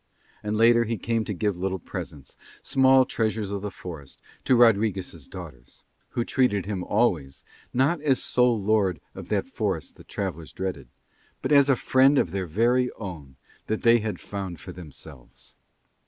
And later he came to give little presents, small treasures of the forest, to Rodriguez' daughters; who treated him always, not as sole lord of that forest that travellers dreaded, but as a friend of their very own that they had found for themselves.